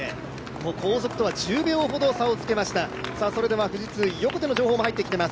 後続とは１０秒ほど差をつけました。